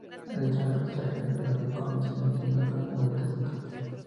El tren de aterrizaje era fijo convencional, y tenía dos cabinas abiertas en tándem.